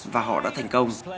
và họ đã thành công